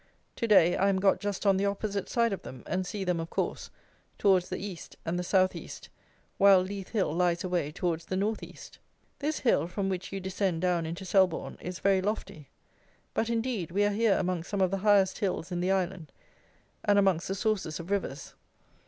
To day I am got just on the opposite side of them, and see them, of course, towards the east and the south east, while Leith Hill lies away towards the north east. This hill, from which you descend down into Selborne, is very lofty; but, indeed, we are here amongst some of the highest hills in the island, and amongst the sources of rivers.